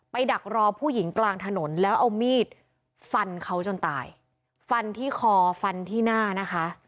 ดักรอผู้หญิงกลางถนนแล้วเอามีดฟันเขาจนตายฟันที่คอฟันที่หน้านะคะ